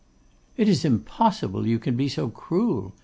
'It is impossible you can be so cruel!